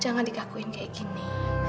jangan dikakuin kayak gini